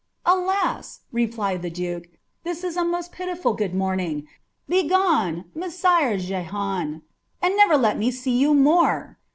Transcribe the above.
^ Alas !" replied the dVike, ^ this is a most pitiful good morrow. Be* gone, Messire Jehan, and never let me see you more